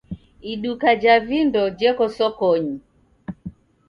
Iduka ja vindo jeko sokonyi.